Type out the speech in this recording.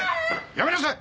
やめなさい！